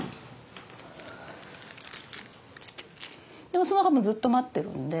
でもその間もずっと待ってるんで。